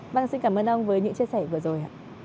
vâng xin cảm ơn ông với những chia sẻ vừa rồi ạ